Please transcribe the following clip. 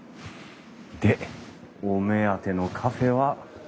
でお目当てのカフェは。